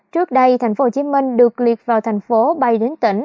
trước đây tp hcm được liệt vào thành phố bay đến tỉnh